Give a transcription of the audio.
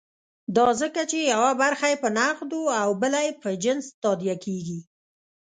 دا ځکه چې یوه برخه یې په نغدو او بله په جنس تادیه کېږي.